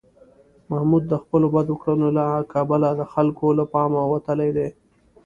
محمود د خپلو بدو کړنو له کبله د خلکو له پامه وتلی دی.